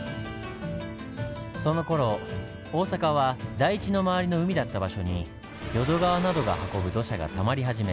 そのころ大阪は台地の周りの海だった場所に淀川などが運ぶ土砂がたまり始め